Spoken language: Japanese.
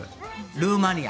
ルーマニア。